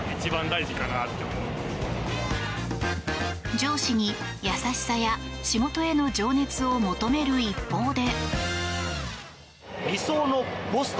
上司に、優しさや仕事への情熱を求める一方で。